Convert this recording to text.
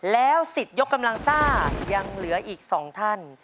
แล้วสิทธิ์ยกกำลังซ่ายังเหลืออีก๒ท่าน